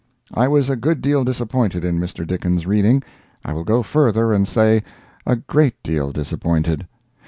] I was a good deal disappointed in Mr. Dickens' reading—I will go further and say, a great deal disappointed.